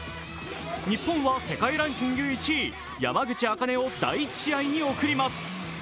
日本は世界ランキング１位、山口茜を第１試合に送ります。